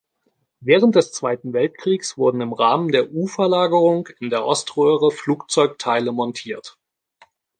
Während des Zweiten Weltkriegs wurden im Rahmen der U-Verlagerung in der Oströhre Flugzeugteile montiert.